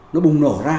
nó bùng nổ ra